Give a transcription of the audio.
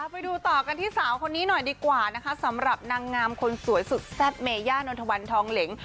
ไปดูต่อกันที่สาวคนนี้หน่อยดีกว่านะคะสำหรับนางงามคนสวยสุดแซ่บเมย่านนทวันทองเหล็ง